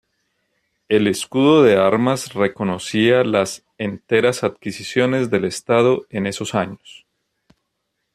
El escudo de armas reconocía las enteras adquisiciones del estado en esos años.